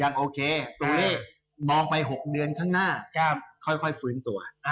โอเคตัวเลขมองไป๖เดือนข้างหน้าค่อยฟื้นตัว